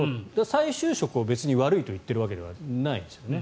再就職を悪いと言ってるわけではないですよね。